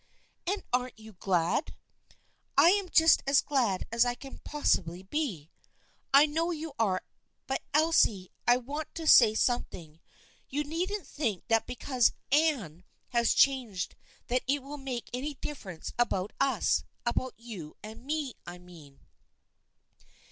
" And aren't you glad ?"" I am just as glad as I can possibly be." " I know you are. But Elsie, I want to say something. You needn't think that because Anne 222 THE FRIENDSHIP OF ANNE has changed that it will make any difference about us, about you and me, I mean.